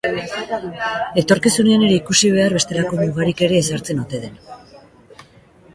Etorkizunean ikusi behar, bestelako mugarik ere ezartzen ote den.